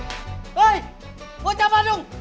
hei gua cabar dong